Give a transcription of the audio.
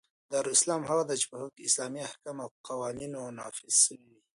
دارالاسلام هغه دئ، چي په هغي کښي اسلامي احکام او قوانینو نافظ سوي يي.